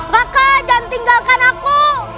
bakal jangan tinggalkan aku